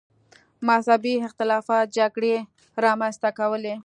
مذهبي اختلافات جګړې رامنځته کولې.